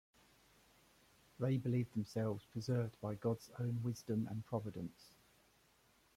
They believed themselves preserved by God's own wisdom and Providence.